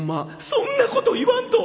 「そんなこと言わんと！